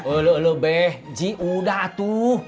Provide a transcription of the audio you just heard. uluh lu be ji udah atu